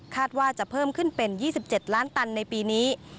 ว่าจะเพิ่มขึ้นเป็น๒๗ล้านตันในปีนี้